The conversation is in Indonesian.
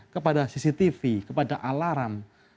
kepada cctv kepada alarm